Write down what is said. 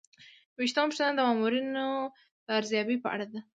یوویشتمه پوښتنه د مامورینو د ارزیابۍ په اړه ده.